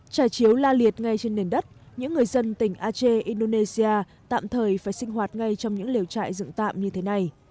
trải chiếu la liệt ngay trên nền đất những người dân tỉnh ache indonesia tạm thời phải sinh hoạt ngay trong những liều trại dựng tạm như thế này